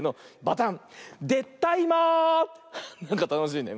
なんかたのしいね。